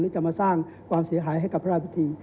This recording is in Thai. จะมาสร้างความเสียหายให้กับพระราชพิธี